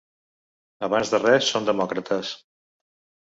Abans de res som demòcrates.